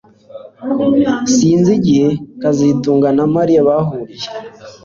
Sinzi igihe kazitunga na Mariya bahuriye